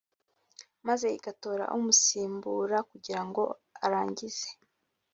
maze igatora umusimbura kugira ngo arangize